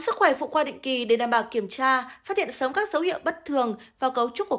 sức khỏe phụ qua định kỳ để đảm bảo kiểm tra phát hiện sớm các dấu hiệu bất thường và cấu trúc của